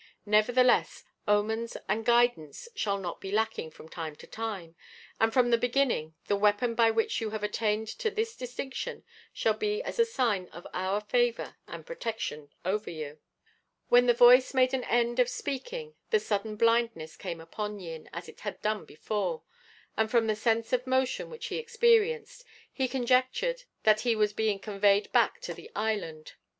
Nevertheless, omens and guidance shall not be lacking from time to time, and from the beginning the weapon by which you have attained to this distinction shall be as a sign of our favour and protection over you." When the Voice made an end of speaking the sudden blindness came upon Yin, as it had done before, and from the sense of motion which he experienced, he conjectured that he was being conveyed back to the island.